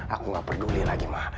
aku gak peduli lagi ma